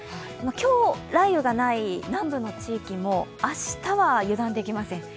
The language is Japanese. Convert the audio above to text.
今日、雷雨がない南部の地域も明日は油断できません。